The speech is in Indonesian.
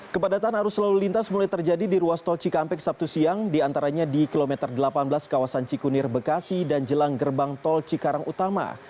kepadatan arus lalu lintas mulai terjadi di ruas tol cikampek sabtu siang diantaranya di kilometer delapan belas kawasan cikunir bekasi dan jelang gerbang tol cikarang utama